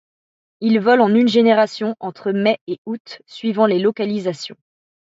Il vole en une génération entre mai et août suivant les localisations.